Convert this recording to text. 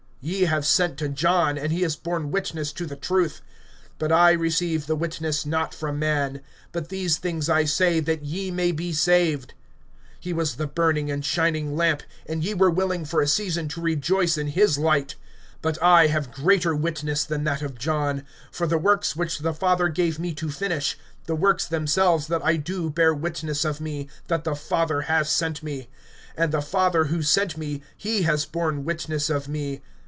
(33)Ye have sent to John, and he has borne witness to the truth. (34)But I receive the witness not from man; but these things I say, that ye might be saved. (35)He was the burning and shining lamp; and ye were willing for a season to rejoice in his light. (36)But I have greater witness than that of John; for the works which the Father gave me to finish, the works themselves that I do bear witness of me, that the Father has sent me. (37)And the Father, who sent me, he has borne witness of me.